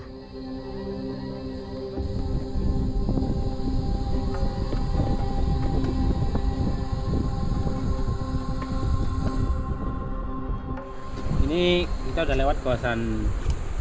sebelum datang untuk menemukan wilayah kawasan yang headhung